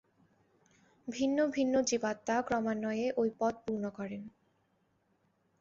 ভিন্ন ভিন্ন জীবাত্মা ক্রমান্বয়ে ঐ পদ পূর্ণ করেন।